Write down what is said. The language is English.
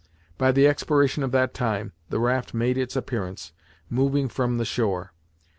By the expiration of that time, the raft made its appearance, moving from the shore.